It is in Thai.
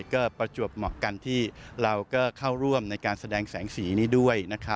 ก็ประจวบเหมาะกันที่เราก็เข้าร่วมในการแสดงแสงสีนี้ด้วย